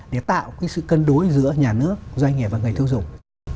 để tạo cái sự cân đối giữa nhà nước doanh nghiệp và người tiêu dùng